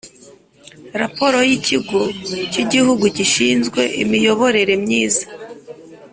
Raporo yikigo cyigihugu gishinzwe imiyoborere myiza